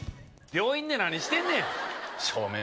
病院で何してんねん。